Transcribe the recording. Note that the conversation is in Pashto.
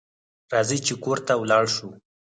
راځئ چې کور ته ولاړ شو